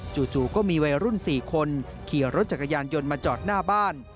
จู่ก็มีวัยรุ่น๔คนขี่รถจักรยานยนต์มาจอดหน้าบ้าน